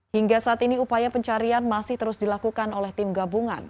hingga saat ini upaya pencarian masih terus dilakukan oleh tim gabungan